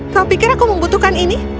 kau pikir aku membutuhkan ini